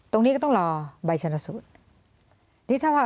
ตรงนี้ก็ต้องรอใบชนสูตร